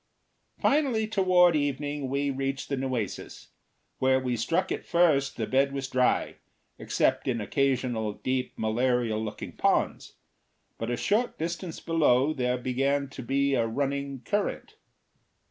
Finally, toward evening we reached the Nueces. Where we struck it first the bed was dry, except in occasional deep, malarial looking pools, but a short distance below there began to be a running current.